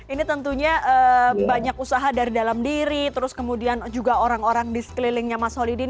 ini tentunya banyak usaha dari dalam diri terus kemudian juga orang orang di sekelilingnya mas holidin